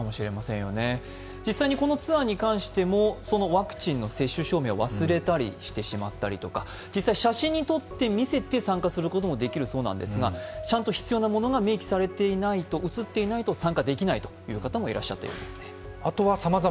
実際にこのツアーに関してもワクチンの接種証明を忘れてしまったりとか実際に写真に撮って見せて参加することもできるそうなんですが、ちゃんと必要なものが映っていないと、参加できないという方もいらっしゃったようです。